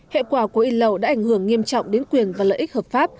hệ quả của in lậu đã ảnh hưởng nghiêm trọng đến quyền và lợi ích hợp pháp